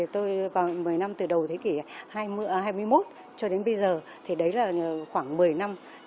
tôi vào một mươi năm từ đầu thế kỷ hai mươi một cho đến bây giờ thì đấy là khoảng một mươi năm